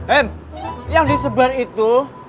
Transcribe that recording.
eh yang disebar itu